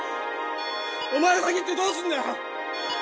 お前が先に行ってどうするんだよッ？